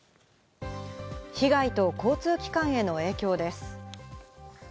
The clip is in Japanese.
被害と交通機関への影響です。